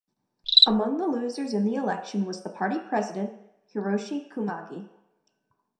Among the losers in the election was the party president, Hiroshi Kumagai.